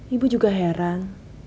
ibu juga heran